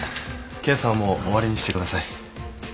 検査はもう終わりにしてください。